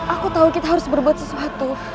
aku tahu kita harus berbuat sesuatu